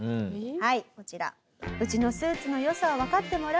はいこちら。